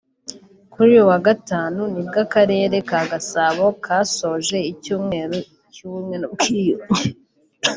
Kuri uyu wa Gatanu nibwo Akarere ka Gasabo kasoje icyumweru cy’ubumwe n’ubwiyunge